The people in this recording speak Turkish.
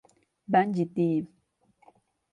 Ben ciddiyim.